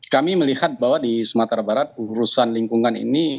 kami melihat bahwa di sumatera barat urusan lingkungan ini